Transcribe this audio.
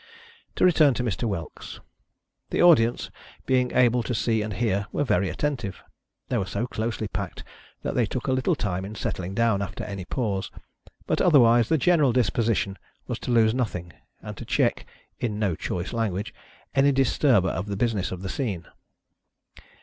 To return to Mr. Whelks. The audience, being able to see and hear, were very attentive. They were so closely packed that they took a little time in settling down after any pause ; but otherwise the general disposition was to lose nothing, and to check (in no choice language) any dis turber of the business of the scene.